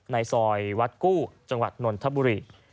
ในซอยวัดกู้จังหวัดนนทบุรี